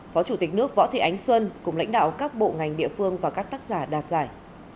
phó chủ tịch nước võ thị ánh xuân cùng lãnh đạo các bộ ngành địa phương và các tác giả đạt giải